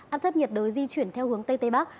áp thấp nhiệt đới di chuyển theo hướng tây tây bắc